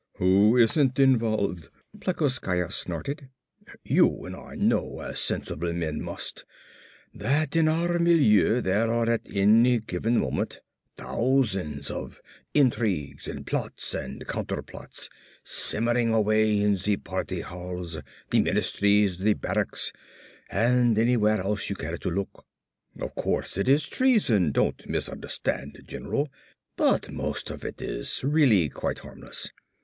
"Who isn't involved?" Plekoskaya snorted. "You and I know, as sensible men must, that in our milieu there are at any given moment thousands of intrigues and plots and counterplots simmering away in the Party halls, the ministries, the barracks and anywhere else you care to look. Of course it is treason, don't misunderstand, general, but most of it is really quite harmless.